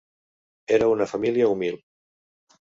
Era una família humil.